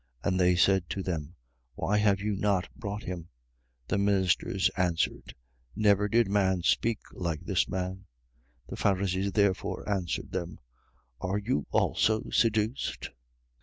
And they said to them: Why have you not brought him? 7:46. The ministers answered: Never did man speak like this man. 7:47. The Pharisees therefore answered them: Are you also seduced?